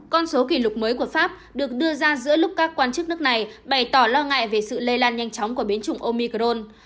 con số kỷ lục mới của pháp được đưa ra giữa lúc các quan chức nước này bày tỏ lo ngại về sự lây lan nhanh chóng của biến chủng omicron